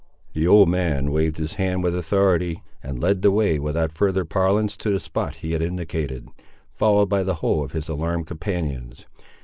The old man waved his hand with authority, and led the way without further parlance to the spot he had indicated, followed by the whole of his alarmed companions.